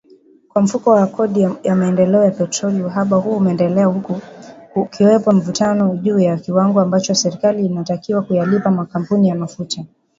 Kwa Mfuko wa Kodi ya Maendeleo ya Petroli uhaba huo umeendelea huku kukiwepo mivutano juu ya kiwango ambacho serikali inatakiwa kuyalipa makampuni ya mafuta.